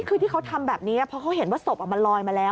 คือที่เขาทำแบบนี้เพราะเขาเห็นว่าศพมันลอยมาแล้ว